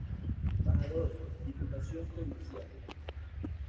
Badajoz: Diputación Provincial.